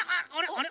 あれ？